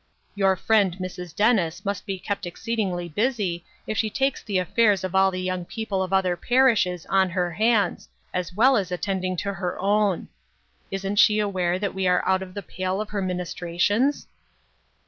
" Your friend Mrs. Dennis must be kept exceed ingly busy if she takes the affairs of all the young people of other parishes on her hands, as well as attending to her own. Isn't she aware that we are out of the pale of her ministrations